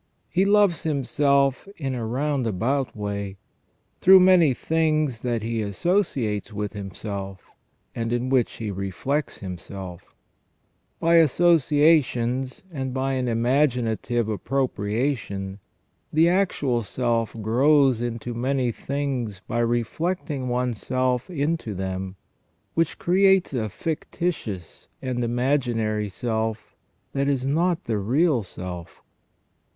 He loves himself in a round about way, through many things that he associates with himself, and in which he reflects himself By associations and by an imaginative appropriation, the actual self grows into many things by reflecting one's self into them, which creates a fictitious and imagi nary self that is not the real self.